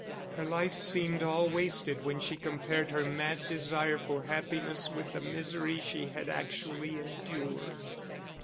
Her life seemed all wasted when she compared her mad desire for happiness with the misery she had actually endured.